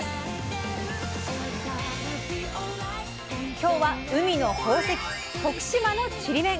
今日は海の宝石徳島のちりめん。